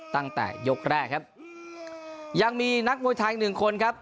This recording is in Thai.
ตั้งแต่ยกแรกครับยังมีนักมวยไทยหนึ่งคนครับ